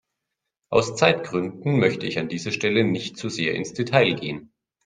Aus Zeitgründen möchte ich an dieser Stelle nicht zu sehr ins Detail gehen.